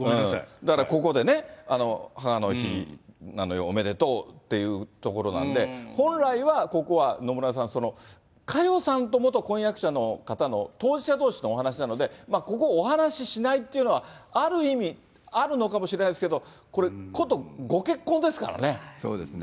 だからここでね、母の日なのよ、おめでとうっていうところなんで、本来はここは野村さん、佳代さんと元婚約者の方の当事者どうしのお話なので、ここ、お話しないというのは、ある意味、あるのかもしれないですけれども、これ、そうですね。